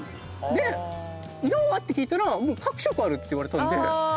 で「色は？」って聞いたらもう各色あるって言われたんで。